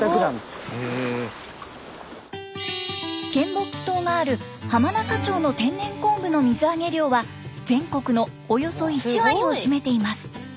嶮暮帰島がある浜中町の天然昆布の水揚げ量は全国のおよそ１割を占めています。